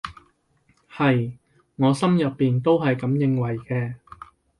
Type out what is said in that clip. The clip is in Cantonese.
係，我心入面都係噉認為嘅